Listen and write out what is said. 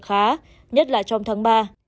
khá nhất là trong tháng ba